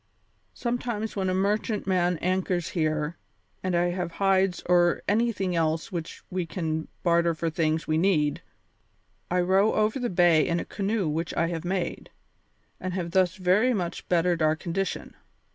Sometimes when a merchantman anchors here and I have hides or anything else which we can barter for things we need, I row over the bay in a canoe which I have made, and have thus very much bettered our condition.